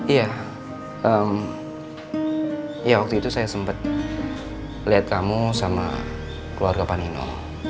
iya waktu itu saya sempet liat kamu sama keluarga panino